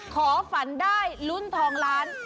ขอฝันได้ลุ้นทองล้าน